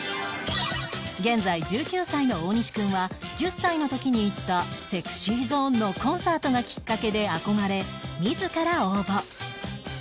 現在１９歳の大西くんは１０歳の時に行った ＳｅｘｙＺｏｎｅ のコンサートがきっかけで憧れ自ら応募